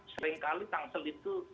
seringkali tangsel itu